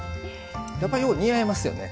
やっぱよう似合いますよね。